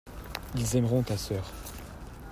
Ils aimeront ta sœur.